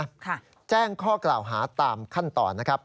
ค่ะแจ้งข้อกล่าวหาตามขั้นตอน